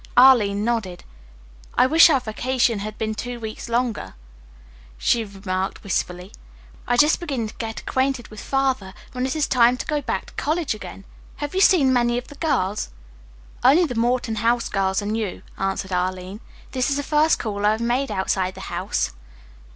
Arline nodded. "I wish our vacation had been two weeks longer," she remarked wistfully. "I just begin to get acquainted with Father, when it is time to go back to college again. Have you seen many of the girls?" "Only the Morton House girls and you," answered Arline. "This is the first call I've made outside the house.